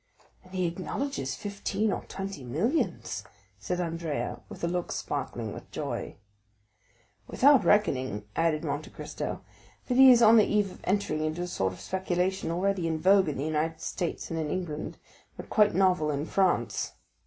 "And he acknowledges fifteen or twenty millions," said Andrea with a look sparkling with joy. "Without reckoning," added Monte Cristo, "that he is on the eve of entering into a sort of speculation already in vogue in the United States and in England, but quite novel in France."